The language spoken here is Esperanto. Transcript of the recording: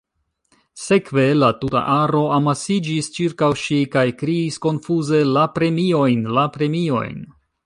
Sekve, la tuta aro amasiĝis ĉirkaŭ ŝi kaj kriis konfuze La premiojn, la premiojn.